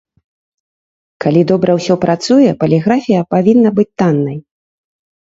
Калі добра ўсё працуе, паліграфія павінна быць таннай.